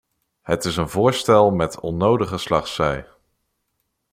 Het is een voorstel met onnodige slagzij.